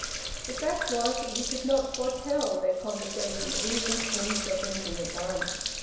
The fact was that he could not foretell their conversation even ten seconds in advance.